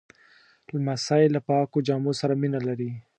لمسی له پاکو جامو سره مینه لري.